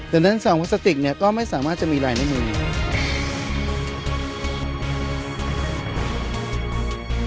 ดังนั้นซองพลาสติกเนี่ยก็ไม่สามารถจะมีลายนิ้วมือนี้